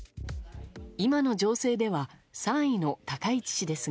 今の情勢では３位の高市氏ですが。